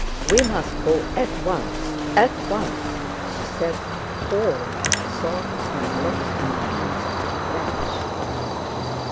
"We must go at once, at once!" she said, appalled at the thought of being left in the hands of the French.